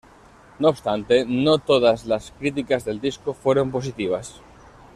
No obstante, no todas las críticas del disco fueron positivas.